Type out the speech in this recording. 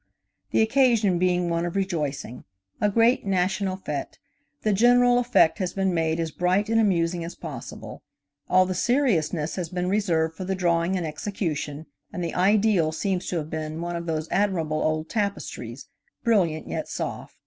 The occasion being one of rejoicing–a great national fête, the general effect has been made as bright and amusing as possible. All the seriousness has been reserved for the drawing and execution, and the ideal seems to have been one of those admirable old tapestries, brilliant yet soft.